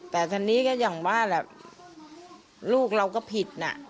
แต่ทีนี้ก็อย่างว่าลูกเราก็ผิด